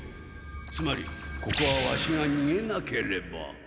つまりここはワシがにげなければ。